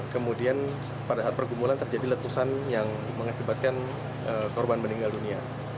kemudian pada saat pergumulan terjadi letusan yang mengakibatkan korban meninggal dunia